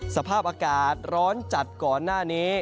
สภาพอากาศร้อนจัดก่อนหน้านี้